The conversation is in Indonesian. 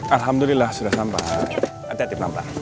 alhamdulillah sudah sampai